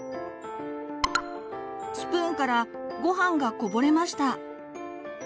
スプーンからごはんがこぼれました。